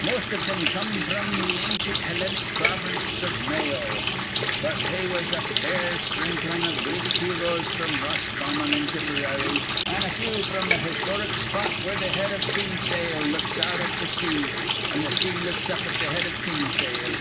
Most iv thim come fr'm th' ancient Hellenic province iv May o; but they was a fair sprinklin' iv Greek heroes fr'm Roscommon an' Tipperary, an' a few from th' historic spot where th' Head iv Kinsale looks out on th' sea, an' th' sea looks up at th' Head iv Kinsale.